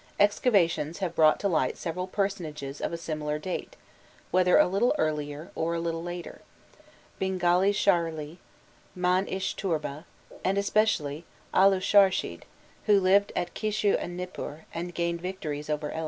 Excavations have brought to light several personages of a similar date, whether a little earlier, or a little later: Bingani sharali, Man ish turba, and especially Alusharshid, who lived at Kishu and Nipur, and gained victories over Elam.